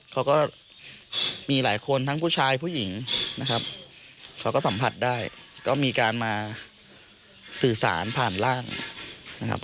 เขาก็มีหลายคนทั้งผู้ชายผู้หญิงนะครับเขาก็สัมผัสได้ก็มีการมาสื่อสารผ่านร่างนะครับ